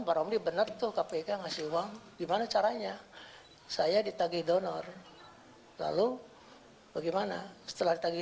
pak romli benar tuh kpk ngasih uang gimana caranya saya ditagih donor lalu bagaimana setelah ditagi